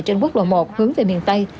trên quốc lộ một hướng về miền tây